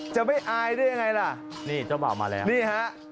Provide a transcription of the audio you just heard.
จะไม่อายด้วยยังไงล่ะ